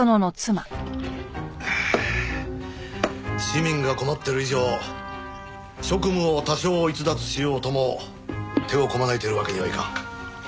市民が困っている以上職務を多少逸脱しようとも手をこまねいているわけにはいかん。